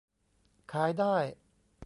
ขายได้